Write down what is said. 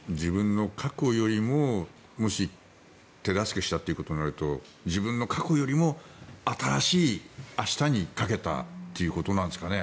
もし手助けしたということになると自分の過去よりも新しい明日にかけたということなんですかね。